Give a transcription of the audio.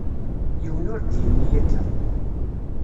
Yiwen ur d-yenni akka.